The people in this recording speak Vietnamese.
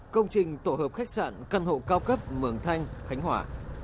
công trình tổ hợp khách sạn căn hộ cao cấp mường thanh khánh hòa